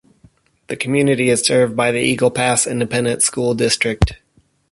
The community is served by the Eagle Pass Independent School District.